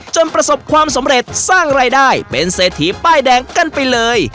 ประสบความสำเร็จสร้างรายได้เป็นเศรษฐีป้ายแดงกันไปเลย